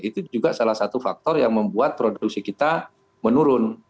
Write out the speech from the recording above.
itu juga salah satu faktor yang membuat produksi kita menurun